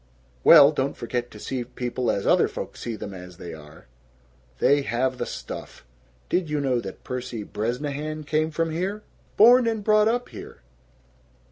"Well, don't forget to see people as other folks see them as they are! They have the stuff. Did you know that Percy Bresnahan came from here? Born and brought up here!"